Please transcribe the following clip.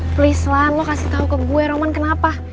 please lah lo kasih tau ke gue roman kenapa